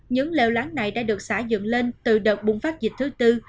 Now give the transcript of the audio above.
những lều láng này đã được xã dựng lên từ đợt bùng phát dịch thứ tư